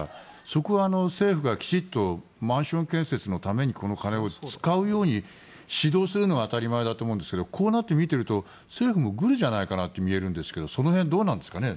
そこは政府がきちんとマンション建設のためにこの金を使うように指導するのが当たり前だと思うんですがこうなって見てみると政府もグルじゃないかなって見えるんですけどその辺はどうなんですかね。